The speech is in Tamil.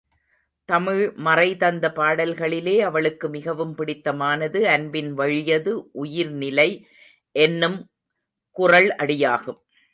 தமிழ் மறை தந்த பாடல்களிலே அவளுக்கு மிகவும் பிடித்தமானது அன்பின் வழியது உயிர் நிலை என்னும் குறள் அடியாகும்.